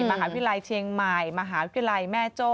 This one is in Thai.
มหาวิทยาลัยเชียงใหม่มหาวิทยาลัยแม่โจ้